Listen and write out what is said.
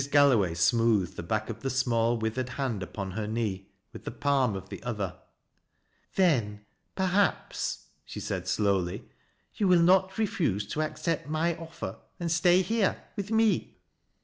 Galloway smoothed the back of the small, witl; ered hand upon her knee with the palm of the other. " Then, perhaps," she said slowl}', " you will not refuse tf accept my offer and stay here — with me